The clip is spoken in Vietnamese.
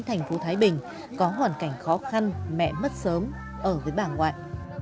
thành phố thái bình có hoàn cảnh khó khăn mẹ mất sớm ở với bà ngoại